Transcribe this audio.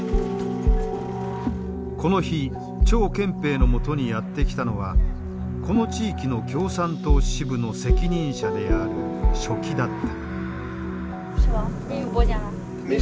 この日張建平のもとにやって来たのはこの地域の共産党支部の責任者である書記だった。